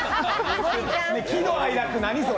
喜怒哀楽、何それ？